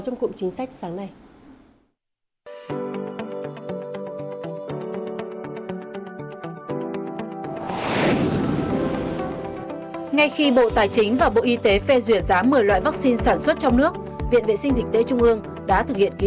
trong cụm chính sách sáng nay